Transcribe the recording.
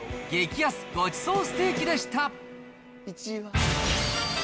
激安ごちそうステーキでした。